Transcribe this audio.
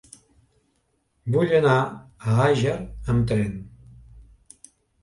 Vull anar a Àger amb tren.